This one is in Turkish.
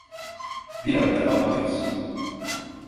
Bir arada kalmalıyız.